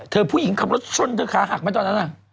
ผู้หญิงขับรถชนเธอขาหักไหมตอนนั้น